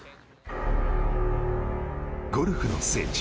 ゴルフの聖地